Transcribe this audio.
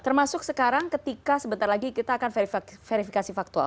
termasuk sekarang ketika sebentar lagi kita akan verifikasi faktual